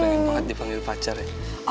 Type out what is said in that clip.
pengen banget dipanggil pacar ya